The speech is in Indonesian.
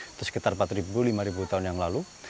itu sekitar empat lima tahun yang lalu